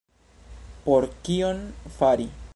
Por kion fari?